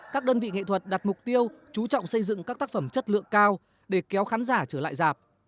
các đơn vị nghệ thuật đặt mục tiêu chú trọng xây dựng các tác phẩm chất lượng cao để kéo khán giả trở lại giảp